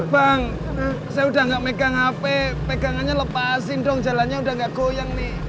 bang saya udah gak megang hp pegangannya lepasin dong jalannya udah gak goyang nih